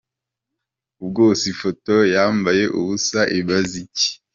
uhhh, ubwose ifoto yambaye ubusa imaze iki?